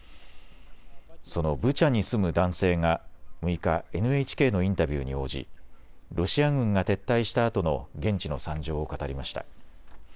そのブチャに住む男性が６日、ＮＨＫのインタビューに応じロシア軍が撤退したあとの現地の惨状を語りました。